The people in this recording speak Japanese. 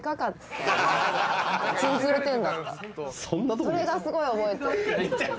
それがすごい覚えてる。